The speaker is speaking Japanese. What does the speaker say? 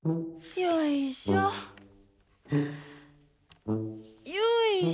よいしょっ！